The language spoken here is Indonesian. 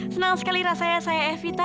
senang sekali rasanya saya evita